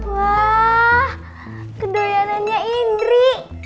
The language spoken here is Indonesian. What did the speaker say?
wah kedoyanannya indri